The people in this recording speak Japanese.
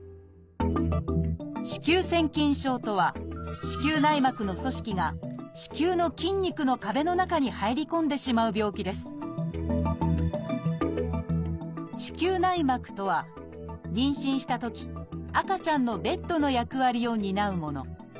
「子宮腺筋症」とは子宮内膜の組織が子宮の筋肉の壁の中に入り込んでしまう病気です子宮内膜とは妊娠したとき赤ちゃんのベッドの役割を担うもの。